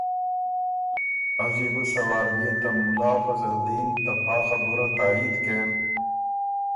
”از يې بُو سۀ وار بئے ته مُلا فضل دین ته پا خبُره تائید کېم